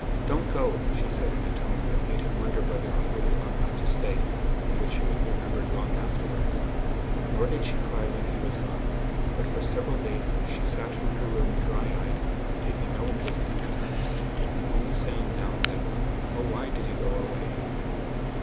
"Don't go!" she said in a tone that made him wonder whether he really ought not to stay and which he remembered long afterwards. Nor did she cry when he was gone; but for several days she sat in her room dry eyed, taking no interest in anything and only saying now and then, "Oh, why did he go away?"